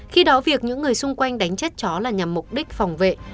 khi đó việc những người xung quanh đánh chết chó là nhằm mục đích phòng vệ